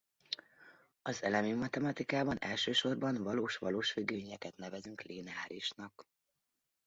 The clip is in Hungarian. Az elemi matematikában elsősorban valós-valós függvényeket nevezünk lineárisnak.